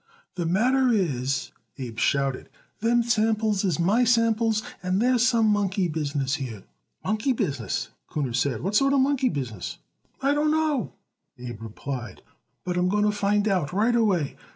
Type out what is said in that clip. "The matter is," Abe shouted, "them samples is my samples, and there's some monkey business here." "Monkey business!" Kuhner said. "What sort of monkey business?" "I don't know," Abe replied, "but I'm going to find out right away.